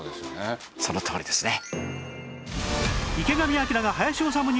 そのとおりですね。